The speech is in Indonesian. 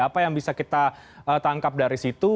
apa yang bisa kita tangkap dari situ